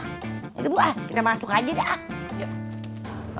ayo bu kita masuk aja dah